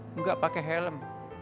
tidak pakai helm